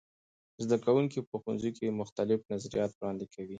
زده کوونکي په ښوونځي کې مختلف نظریات وړاندې کوي.